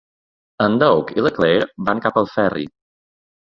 En Doug i la Claire van cap al ferri.